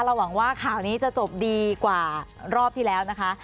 หวังว่าข่าวนี้จะจบดีกว่ารอบที่แล้วนะคะ